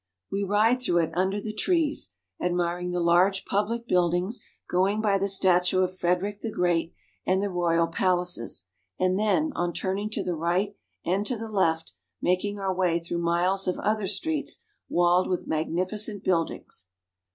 We ride through it under the trees, admiring the large public buildings, going by the statue of Frederick the 2 16 GERMANY. Great and the royal palaces, and then, on turning to the right and to the left, making our way through miles of other streets walled with magnificent buildings.